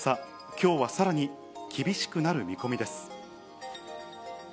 きょうはさらに厳しくなる見込みです。